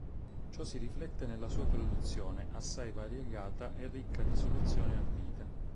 Ciò si riflette nella sua produzione, assai variegata e ricca di soluzioni ardite.